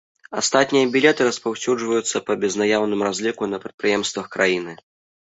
Астатнія білеты распаўсюджваюцца па безнаяўным разліку на прадпрыемствах краіны.